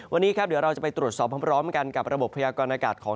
วันนี้ครับเดี๋ยวเราจะไปตรวจสอบพร้อมกันกับระบบพยากรณากาศของ